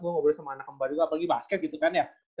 gue ngobrol sama anak kembar juga apalagi basket gitu kan ya